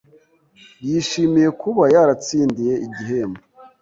Yishimiye kuba yaratsindiye igihembo.